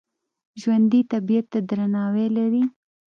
ژوندي طبیعت ته درناوی لري